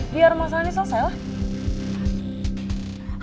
biar masalah ini selesai